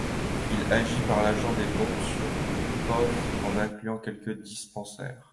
Il agit par l’argent des dons sur les pauvres en incluant quelques dispensaires.